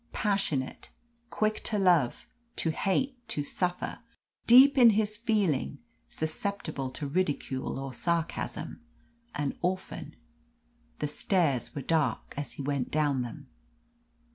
Passionate quick to love, to hate, to suffer; deep in his feeling, susceptible to ridicule or sarcasm an orphan. The stairs were dark as he went down them.